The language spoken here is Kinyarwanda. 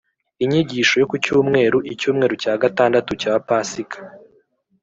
inyigisho yo ku cyumweru, icyumweru cya gatandatu cya pasika